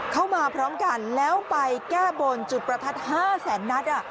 พร้อมกันแล้วไปแก้บนจุดประทัด๕แสนนัด